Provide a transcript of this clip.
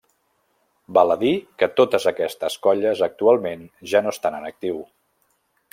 Val a dir que totes aquestes colles actualment ja no estan en actiu.